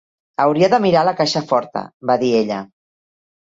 "Hauria de mirar a la caixa forta", va dir ella.